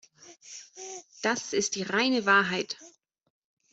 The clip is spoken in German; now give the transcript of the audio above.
Das ist die reine Wahrheit!